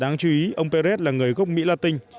đáng chú ý ông peret là người gốc mỹ latin